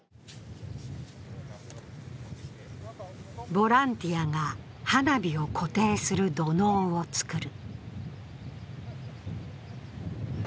ボランティアが花火を固定する土のうを作る。